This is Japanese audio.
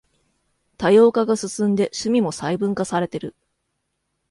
多様化が進んで趣味も細分化されてる